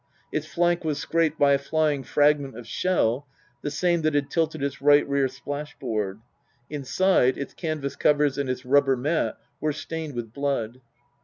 Its flank was scraped by a flying frag ment of shell, the same that had tilted its right rear splash board. Inside, its canvas covers and its rubber mat were stained with blood.